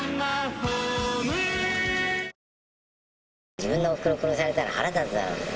自分のおふくろ殺されたら、腹立つだろ。